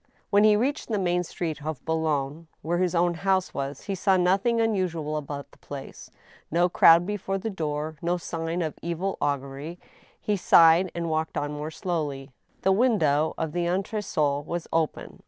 When he reached the main street of Boulogne, where his own house was, he saw nothing unusual about the place, no crowd be fore the door, no sign of evil augury ; he sighed, and walked on more slowly. The window of the entre sol was open.